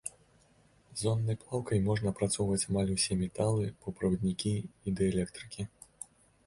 Зоннай плаўкай можна апрацоўваць амаль усе металы, паўправаднікі і дыэлектрыкі.